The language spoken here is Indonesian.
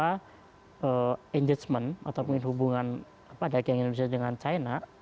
karena pengaruhnya pada tahun dua ribu atau hubungan dagang indonesia dengan china